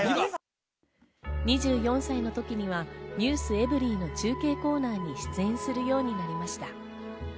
２４歳の時には『ｎｅｗｓｅｖｅｒｙ．』の中継コーナーに出演するようになりました。